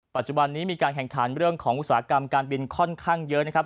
ปัจจุบันนี้มีการแข่งขันเรื่องของอุตสาหกรรมการบินค่อนข้างเยอะนะครับ